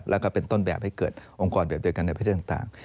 แล้วก็เป็นต้นแบบให้เกิดองค์กรแบบเดียวกันในประเทศต่าง